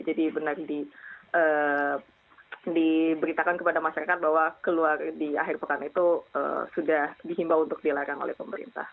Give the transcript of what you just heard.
jadi benar diberitakan kepada masyarakat bahwa keluar di akhir pekan itu sudah dihimbau untuk dilarang oleh pemerintah